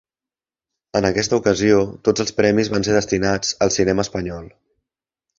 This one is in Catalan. En aquesta ocasió tots els premis van ser destinats al cinema espanyol.